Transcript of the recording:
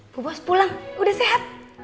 bu bos pulang udah sehat